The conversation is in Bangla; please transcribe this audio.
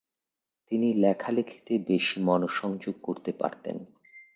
তিনি লেখালেখিতে বেশি মনঃসংযোগ করতে পারতেন।